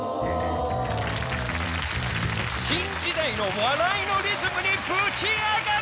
新時代の笑いのリズムにぶち上がれ！